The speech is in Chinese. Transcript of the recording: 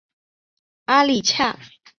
阿里恰。